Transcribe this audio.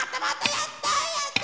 やったやった！